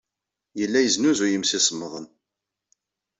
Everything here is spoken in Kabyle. Yella yesnuzuy imsisemḍen.